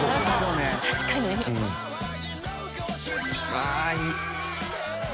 あっいい。